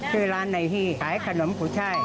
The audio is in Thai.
คือร้านนายฮีขายขนมผู้ช่าย